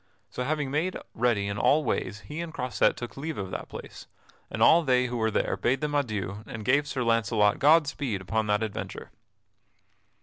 So having made ready in all ways he and Croisette took leave of that place, and all they who were there bade them adieu and gave Sir Launcelot God speed upon that adventure.